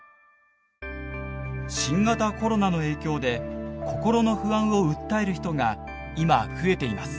新型コロナの影響で心の不安を訴える人が今増えています。